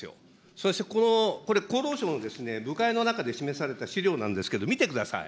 そして、この、これ、厚労省の部会の中で示された資料なんですけど、見てください。